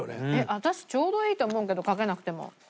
私ちょうどいいと思うけどかけなくても。